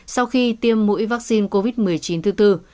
sau khi tiêm mũi vắc xin covid một mươi chín thứ tư